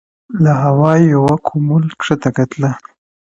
• له هوا یوه کومول کښته کتله,